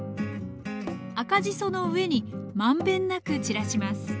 赤じその上に満遍なく散らします